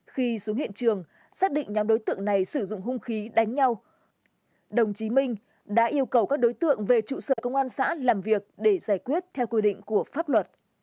khi xuống hiện trường xác định nhóm đối tượng này sử dụng hung khí đánh nhau đồng chí minh đã yêu cầu các đối tượng về trụ sở công an xã làm việc để giải quyết theo quy định của pháp luật